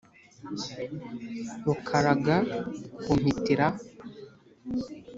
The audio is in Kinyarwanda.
Rukaraga ku mpitira,